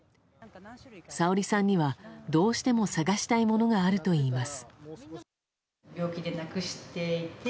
さおりさんにはどうしても探したいものがあるといいます。